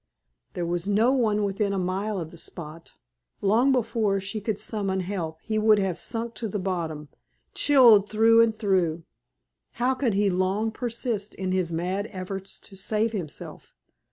There was no one within a mile of the spot. Long before she could summon help he would have sunk to the bottom, chilled through and through. How could he long persist in his mad efforts to save himself?